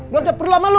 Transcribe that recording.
gue udah perlu sama lo